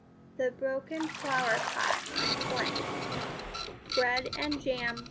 The broken flowerpot Bread and jam .